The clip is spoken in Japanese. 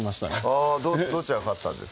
あぁどっちが勝ったんですか？